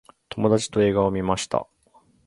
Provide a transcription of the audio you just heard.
友達と映画を観ました。